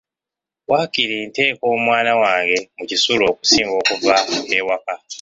Waakiri nteeka omwana wange mu kisulo okusinga okuva ewaka.